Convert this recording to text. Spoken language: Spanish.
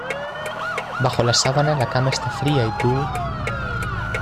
Bajo la sábana la cama está fría y tú...